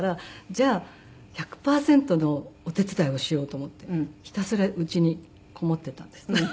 じゃあ１００パーセントのお手伝いをしようと思ってひたすら家に籠もっていたんです。